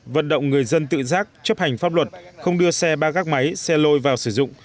vận động người dân tự giác chấp hành pháp luật không đưa xe ba gác máy xe lôi vào sử dụng